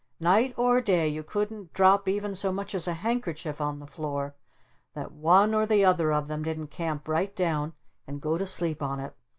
Night or day you couldn't drop even so much as a handkerchief on the floor that one or the other of them didn't camp right down and go to sleep on it!